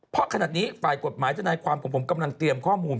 เพราะขณะนี้ฝ่ายกฎหมายทนายความของผมกำลังเตรียมข้อมูล